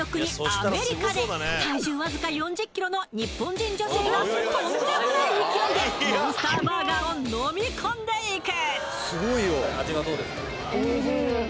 アメリカで体重わずか４０ｋｇの日本人女性がとんでもない勢いでモンスターバーガーを飲み込んでいく